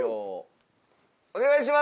お願いします。